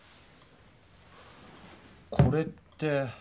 これって？